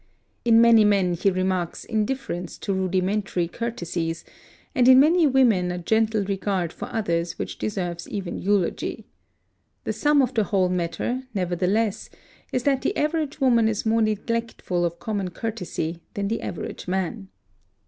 In many men he remarks indifference to rudimentary courtesies, and in many women a gentle regard for others which deserves even eulogy. The sum of the whole matter, nevertheless, is that the average woman is more neglectful of common courtesy than the average man.